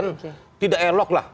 kan tidak elok lah